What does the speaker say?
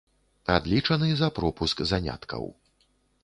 Адлічаны за пропуск заняткаў.